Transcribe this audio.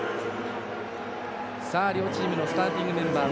両チームスターティングメンバー